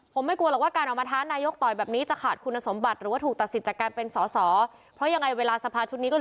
ผมไม่กลัวหรอกว่าการเอามาท้านายโยทรต่อยแบบนี้